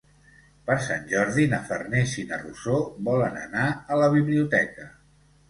Per Sant Jordi na Farners i na Rosó volen anar a la biblioteca.